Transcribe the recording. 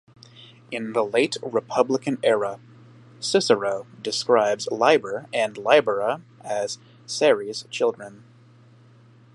In the late Republican era, Cicero describes Liber and Libera as Ceres' children.